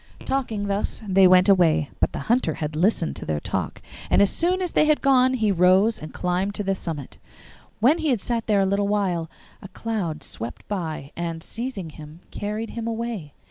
Talking thus they went away. But the Hunter had listened to their talk, and as soon as they had gone he rose and climbed to the summit. When he had sat there a little while a cloud swept by, and, seizing him, carried him away.